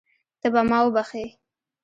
ته به ما وبښې.